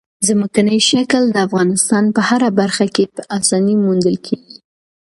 ځمکنی شکل د افغانستان په هره برخه کې په اسانۍ موندل کېږي.